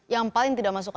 yang paling tidak masuk akal